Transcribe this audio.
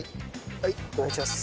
はいお願いします。